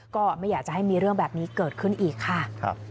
ก็ไม่อยากจะให้มีเรื่องแบบนี้เกิดขึ้นอีกค่ะ